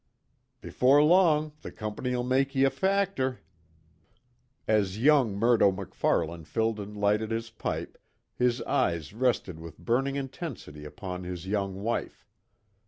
Before long the Company'll make ye a factor." As young Murdo MacFarlane filled and lighted his pipe, his eyes rested with burning intensity upon his young wife.